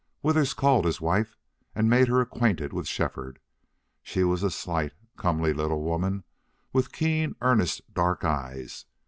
Withers called his wife and made her acquainted with Shefford. She was a slight, comely little woman, with keen, earnest, dark eyes.